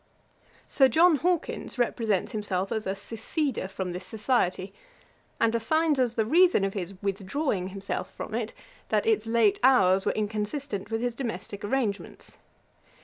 ] Sir John Hawkins represents himself as a 'seceder' from this society, and assigns as the reason of his 'withdrawing' himself from it, that its late hours were inconsistent with his domestick arrangements.